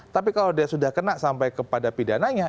tapi kalau dia sudah kena sampai kepada pidananya